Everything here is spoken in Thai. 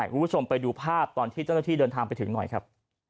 คุณผู้ชมไปดูภาพตอนที่เจ้าหน้าที่เดินทางไปถึงหน่อยครับ